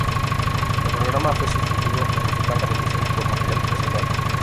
El programa fue sustituido en su franja de emisión por Materia reservada.